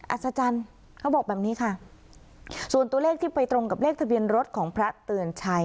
อัศจรรย์เขาบอกแบบนี้ค่ะส่วนตัวเลขที่ไปตรงกับเลขทะเบียนรถของพระเตือนชัย